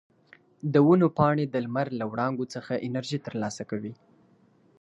د ونو پاڼې د لمر له وړانګو څخه انرژي ترلاسه کوي.